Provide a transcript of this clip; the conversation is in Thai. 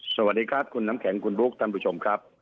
สวัสดีครับคุณน้ำแข็งคุณบุ๊คท่านผู้ชมครับ